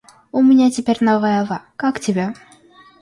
У меня теперь новая ава, как тебе?